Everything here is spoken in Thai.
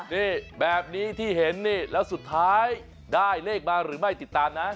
นี่แบบนี้ที่เห็นนี่แล้วสุดท้ายได้เลขมาหรือไม่ติดตามนะ